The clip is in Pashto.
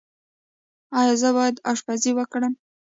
ایا زه باید اشپزي وکړم؟